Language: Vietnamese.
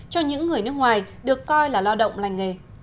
cho những người nước ngoài được coi là lao động lành nghề